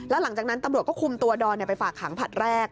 แล้วหลังจากนั้นตำรวจก็คุมตัวดอนไปฝากขังผลัดแรก